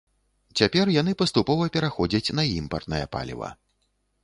Цяпер яны паступова пераходзяць на імпартнае паліва.